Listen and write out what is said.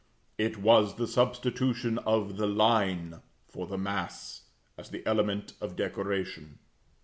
It was the substitution of the line for the mass, as the element of decoration.